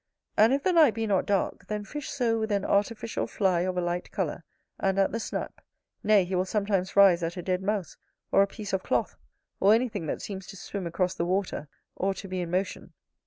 And if the night be not dark, then fish so with an artificial fly of a light colour, and at the snap: nay, he will sometimes rise at a dead mouse, or a piece of cloth, or anything that seems to swim across the water, or to be in motion.